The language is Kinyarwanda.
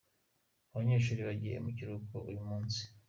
abanyeshuri bagiye mu bihruko uyu munsi